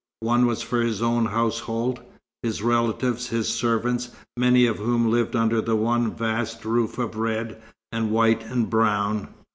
One was for his own household; his relatives, his servants, many of whom lived under the one vast roof of red, and white, and brown.